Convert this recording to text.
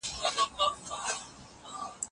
که ته په املا کي هره ورځ خپله تېروتنه سمه کړې.